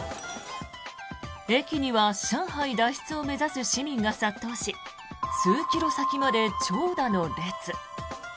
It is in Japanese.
駅には上海脱出を目指す市民が殺到し数キロ先まで長蛇の列。